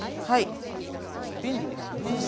はい便利ですよね。